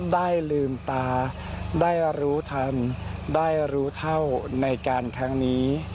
เดี๋ยวสังเกตนะคะอาการเป็นยังไง